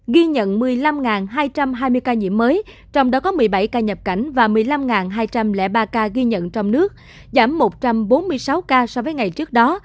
ghi nhận một mươi năm hai trăm hai mươi ca nhiễm mới trong đó có một mươi bảy ca nhập cảnh và một mươi năm hai trăm linh ba ca ghi nhận trong nước giảm một trăm bốn mươi sáu ca so với ngày trước đó